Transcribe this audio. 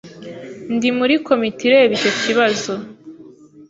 Ndi muri komite ireba icyo kibazo.